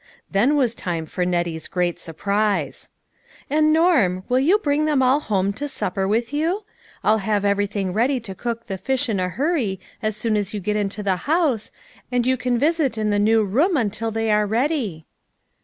Then was time for Nettie's great surprise. " And, Norm, will you bring them all home to supper with you? I'll have everything ready to cook the fish in a hurry as soon as you get into the house, and you can visit in the new room until they are ready."